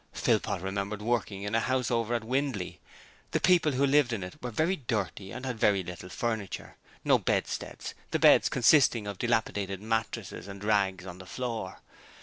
Philpot remembered working in a house over at Windley; the people who lived in it were very dirty and had very little furniture; no bedsteads, the beds consisting of dilapidated mattresses and rags on the floor.